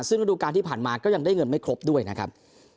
ซึ่งระดูการที่ผ่านมาก็ยังได้เงินไม่ครบด้วยนะครับ